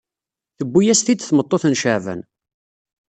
Tewwi-as-t-id tmeṭṭut n Caɛvan.